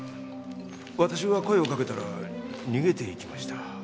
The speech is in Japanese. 私が声をかけたら逃げていきました。